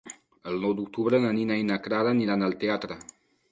El nou d'octubre na Nina i na Clara aniran al teatre.